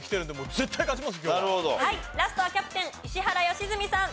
はいラストはキャプテン石原良純さん。